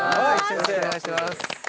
よろしくお願いします。